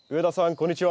こんにちは。